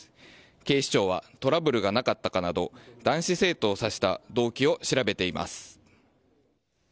警視庁はトラブルがなかったかなど男子生徒を刺した動機を調べています。